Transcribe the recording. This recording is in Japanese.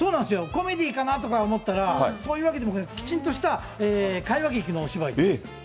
コメディーかなと思ったら、そういうわけでもない、きちんとした会話劇のお芝居です。